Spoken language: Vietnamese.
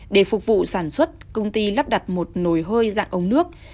để phục vụ sản xuất công ty lắp đặt một nồi hơi dạng ống nước